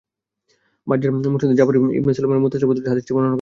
বাযযার তার মুসনাদে জাফর ইবন সুলায়মান সূত্রে মুত্তাসাল পদ্ধতিতে হাদীসটি বর্ণনা করেছেন।